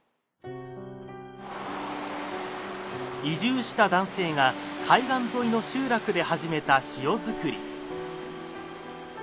移住した男性が海岸沿いの集落で始めた塩づくり。